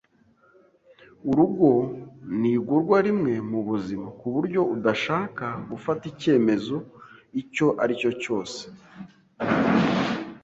Urugo nigurwa rimwe-mubuzima kuburyo udashaka gufata icyemezo icyo aricyo cyose.